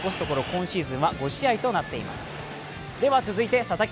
今シーズンは５試合となっています。